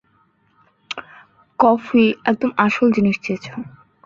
Coffee, একদম আসল জিনিস চেয়েছ!